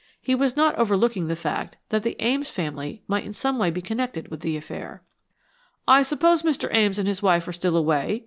He was not overlooking the fact that the Ames family might in some way be connected with the affair. "I suppose Mr. Ames and his wife are still away?"